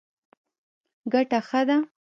ګټه ښه ده.